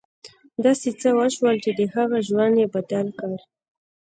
داسې څه وشول چې د هغه ژوند یې بدل کړ